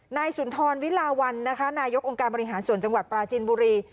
นายสุนทรวิลาวันนะคะนายกองค์การบริหารส่วนจังหวัดปราจีนบุรี